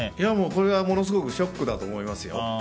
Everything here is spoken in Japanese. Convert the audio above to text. これはものすごくショックだと思いますよ。